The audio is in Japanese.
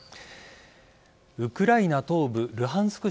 ウクライナ東部ルハンスク